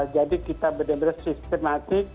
jadi kita benar benar sistematik